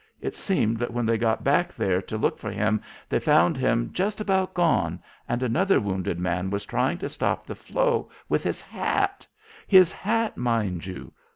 It seems that when they got back there to look for him they found him just about gone, and another wounded man was trying to stop the flow with his hat! His hat, mind you.